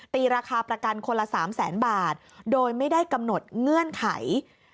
ราคาประกันคนละ๓แสนบาทโดยไม่ได้กำหนดเงื่อนไข